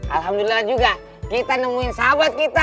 alhamdulillah juga kita nemuin sahabat kita